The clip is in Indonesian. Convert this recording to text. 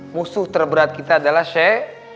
musuh terberat kita adalah sheikh